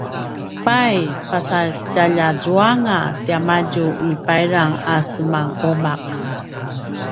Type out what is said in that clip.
pay pasatjaljuzuanga timadju i payrang a semanuma’